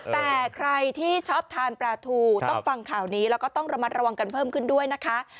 แต่ใครที่ชอบทานปลาทูต้องฟังข่าวนี้แล้วก็ต้องระมัดระวังกันเพิ่มขึ้นด้วยนะคะ